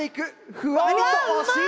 ふわりと惜しい！